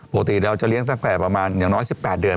ปกติเราจะเลี้ยงตั้งแต่ประมาณอย่างน้อย๑๘เดือน